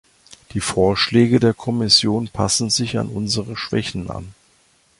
Die Vorschläge der Kommission passen sich an unsere Schwächen an.